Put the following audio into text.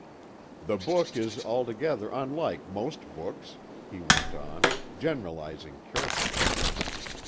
"The book is altogether unlike most books," he went on, generalizing carefully.